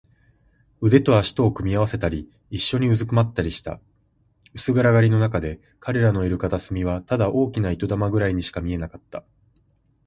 腕と脚とを組み合わせたり、いっしょにうずくまったりした。薄暗がりのなかで、彼らのいる片隅はただ大きな糸玉ぐらいにしか見えなかった。